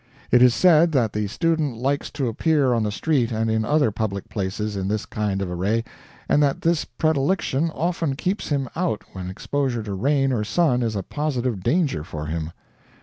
It is said that the student likes to appear on the street and in other public places in this kind of array, and that this predilection often keeps him out when exposure to rain or sun is a positive danger for him.